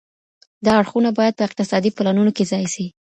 دا اړخونه باید په اقتصادي پلانونو کي ځای سي.